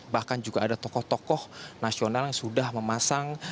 bahkan juga ada tokoh tokoh nasional yang sudah memasang